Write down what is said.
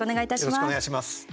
よろしくお願いします。